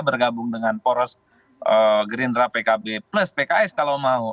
bergabung dengan poros gerindra pkb plus pks kalau mau